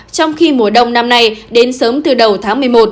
trong khi mùa đông năm nay đến sớm từ đầu tháng một mươi một